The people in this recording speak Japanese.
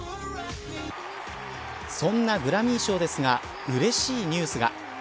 そんなグラミー賞ですがうれしいニュースが。